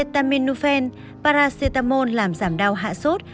acetaminophen paracetamol làm giảm đau hạ sốt